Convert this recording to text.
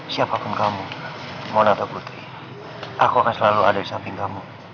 siapapun kamu mau nato putri aku akan selalu ada di samping kamu